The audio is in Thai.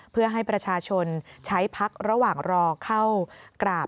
เพื่อให้ประชาชนใช้พักระหว่างรอเข้ากราบ